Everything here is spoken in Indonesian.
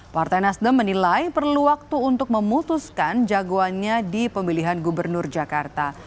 partai nasdem menilai perlu waktu untuk memutuskan jagoannya di pemilihan gubernur jakarta